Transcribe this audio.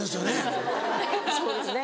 そうですよね。